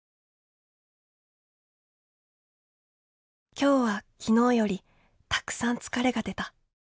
「今日は昨日よりたくさん疲れが出た。